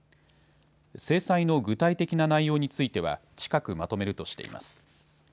制裁の具体的な内容については近くまとめるとしています。